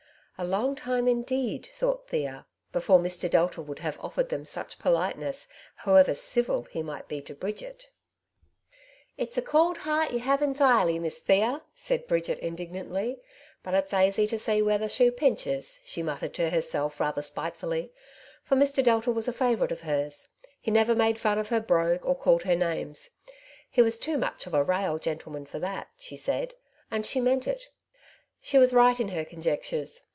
"A long time, in deed,^^ thought Thea, '^ before Mr. Delta would have offered them such politeness, however ' civil ' he might be to Bridget.^^ '^It^s a cauld heart ye have enthirely. Miss Thea,*^ said Bridget indignantly. ^' But it's aisy to see where the shoe pinches,^' she muttered to her self rather spitefully, for Mr. Delta was a favourite of hers. He never made fun of her brogue, or called her names ;" he was too much of a rael gentleman for that,*' she said — and she meant it. She was right in her conjectures.